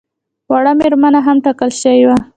وړ مېرمنه هم ټاکل شوې وه.